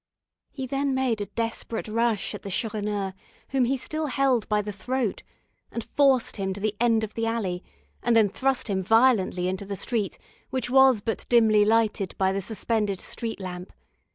He then made a desperate rush at the Chourineur, whom he still held by the throat, and forced him to the end of the alley, and then thrust him violently into the street, which was but dimly lighted by the suspended street lamp.